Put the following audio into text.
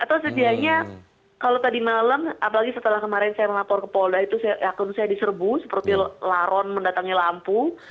atau sedianya kalau tadi malam apalagi setelah kemarin saya melapor ke polda itu akun saya diserbu seperti laron mendatangi lampu